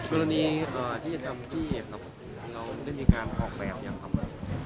เวลานี้อ่าที่จะทำที่เราเราได้มีการออกแบบอย่างความ